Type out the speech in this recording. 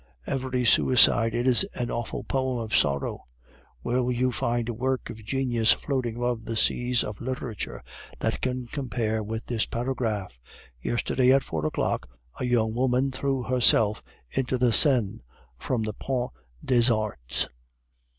Every suicide is an awful poem of sorrow. Where will you find a work of genius floating above the seas of literature that can compare with this paragraph: "Yesterday, at four o'clock, a young woman threw herself into the Seine from the Pont des Arts."